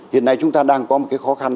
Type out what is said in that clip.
hiện nay chúng ta đang có một cái khó khăn